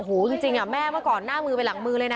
จริงแม่เมื่อก่อนหน้ามือไปหลังมือเลยนะ